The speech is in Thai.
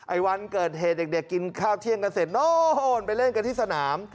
วันเกิดเหตุเด็กกินข้าวเที่ยงกันเสร็จโน่นไปเล่นกันที่สนาม